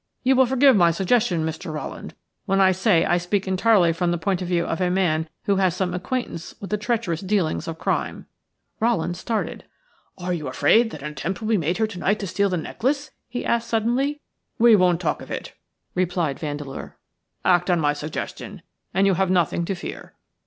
You will forgive my suggestion, Mr. Rowland, when I say I speak entirely from the point of view of a man who has some acquaintance with the treacherous dealings of crime." Rowland started. "Are you afraid that an attempt will be made here to night to steal the necklace?" he asked, suddenly. "We won't talk of it," replied Vandeleur. "Act on my suggestion and you have nothing to fear."